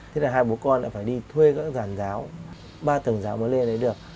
thế là hai bố con lại phải đi thuê các giàn giáo ba tầng giáo mới lê đấy được